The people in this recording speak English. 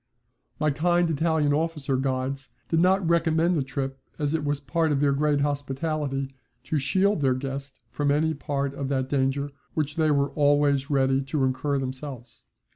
My kind Italian officer guides did not recommend the trip, as it was part of their great hospitality to shield their guest from any part of that danger which they were always ready to incur themselves.